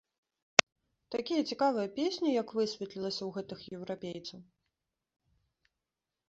Такія цікавыя песні, як высветлілася, у гэтых еўрапейцаў.